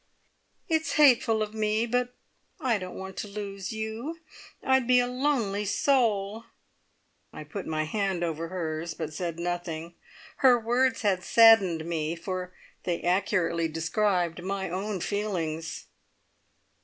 "It's hateful of me, but I don't want to lose you! I'd be a lonely soul!" I put my hand over hers, but said nothing. Her words had saddened me, for they accurately described my own feelings.